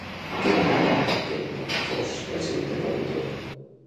Què negava en Temme que fos, el seu interlocutor?